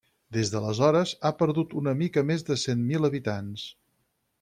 Des d'aleshores, ha perdut una mica més de cent mil habitants.